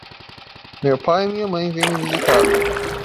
meu pai e minha mãe vem me visitar